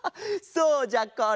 そうじゃこれ。